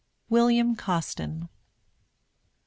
WILLIAM COSTIN. Mr.